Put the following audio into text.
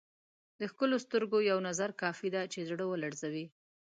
د ښکلو سترګو یو نظر کافي دی چې زړه ولړزوي.